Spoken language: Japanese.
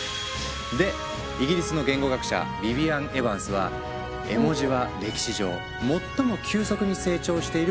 でイギリスの言語学者ヴィヴィアン・エヴァンスは「絵文字は歴史上最も急速に成長している言語だ」と語っている。